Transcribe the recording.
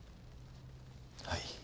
はい。